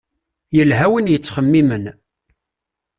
Yelha win yettxemmimen.